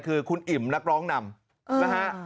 คือคุณอิ่มนักร้องนำนะฮะ